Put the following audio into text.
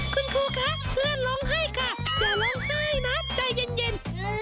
คุณครูคะเพื่อนร้องไห้ค่ะอย่าเล่นไส้นะใจเย็น